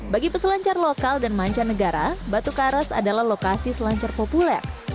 bagi peselancar lokal dan mancanegara batu karas adalah lokasi selancar populer